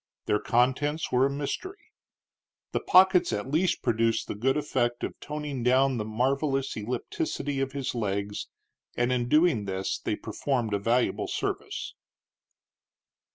Their contents were a mystery. The pockets at least produced the good effect of toning down the marvellous ellipticity of his legs, and in doing this they performed a valuable service.